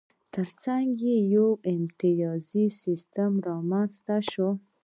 ترڅنګ یې یو امتیازي سیستم هم رامنځته شو.